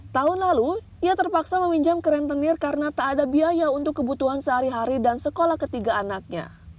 tahun lalu ia terpaksa meminjam ke rentenir karena tak ada biaya untuk kebutuhan sehari hari dan sekolah ketiga anaknya